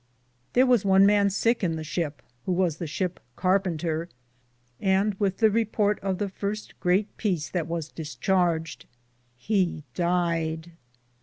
Thare was one man sicke in the ship, who was the ship carpinder, and wyth the reporte of the firste greate peece that was dis charged he died.